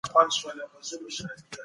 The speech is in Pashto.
دین سته.